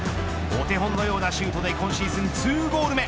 お手本のようなシュートで今シーズン２ゴール目。